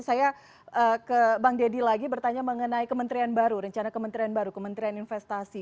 saya ke bang deddy lagi bertanya mengenai kementerian baru rencana kementerian baru kementerian investasi